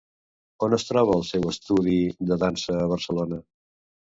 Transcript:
On es troba el seu estudi de dansa a Barcelona?